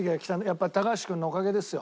やっぱ高橋君のおかげですよ。